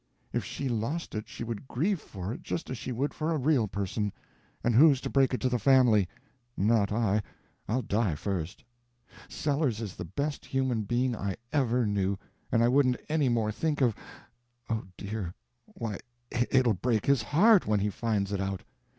If she lost it she would grieve for it just as she would for a real person. And who's to break it to the family! Not I—I'll die first. Sellers is the best human being I ever knew and I wouldn't any more think of—oh, dear, why it'll break his heart when he finds it out.